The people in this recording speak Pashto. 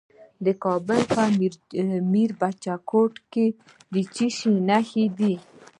د کابل په میربچه کوټ کې د څه شي نښې دي؟